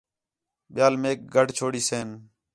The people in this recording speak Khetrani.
ٻِیال میک گڈھ چھوڑیسِن